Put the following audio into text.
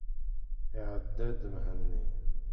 Iɛedda-d Mhenni.